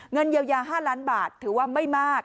เงินเยียวยา๕ล้านบาทถือว่าไม่มาก